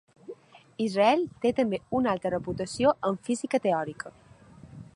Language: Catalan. Israel té també una alta reputació en física teòrica.